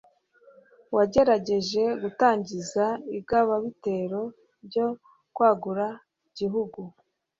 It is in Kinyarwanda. wagerageje gutangiza igaba-bitero ryo kwagura igihugu,